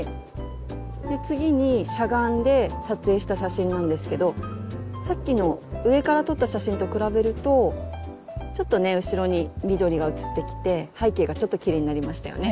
次にしゃがんで撮影した写真なんですけどさっきの上から撮った写真と比べるとちょっとね後ろに緑が写ってきて背景がちょっときれいになりましたよね。